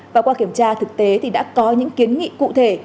và qua kiểm tra thực tế thì đã có những kiến nghị cụ thể